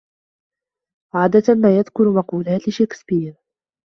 عادة ما يذكر مقولات لشيكسبير.